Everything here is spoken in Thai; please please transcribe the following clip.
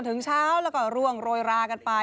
ถึงเช้าแล้วก็ร่วงโรยรากันไป